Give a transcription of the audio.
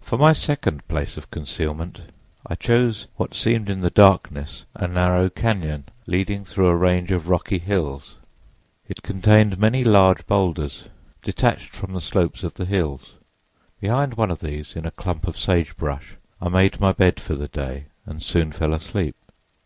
"For my second place of concealment I chose what seemed in the darkness a narrow cañon leading through a range of rocky hills. It contained many large bowlders, detached from the slopes of the hills. Behind one of these, in a clump of sage brush, I made my bed for the day, and soon fell asleep.